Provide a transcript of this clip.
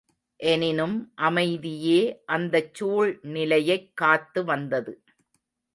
எனினும் அமைதியே அந்தச் சூழ் நிலையைக் காத்து வந்தது.